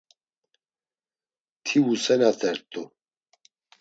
Ti vusenatert̆u.